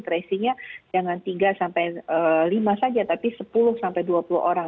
tracingnya jangan tiga sampai lima saja tapi sepuluh sampai dua puluh orang